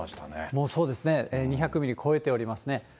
もうそうですね、２００ミリ超えておりますね。